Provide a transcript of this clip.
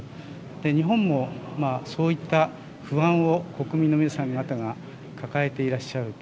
日本もそういった不安を国民の皆さん方が抱えていらっしゃると。